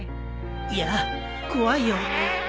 いや怖いよ。